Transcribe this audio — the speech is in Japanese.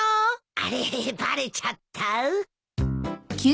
あれバレちゃった。